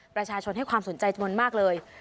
ประชาชนให้ความสนใจจำนวนมากเลย